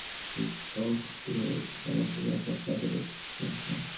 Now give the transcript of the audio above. তুমি দুষ্ট হয়ে গেছ, কারণ তুমি একমাত্র আদরের সন্তান।